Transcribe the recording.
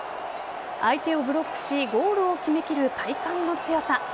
相手をブロックしゴールを決めきる体幹の強さ。